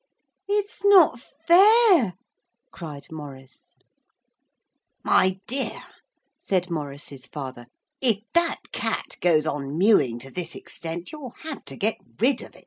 'It's not fair!' cried Maurice. 'My dear,' said Maurice's father, 'if that cat goes on mewing to this extent you'll have to get rid of it.'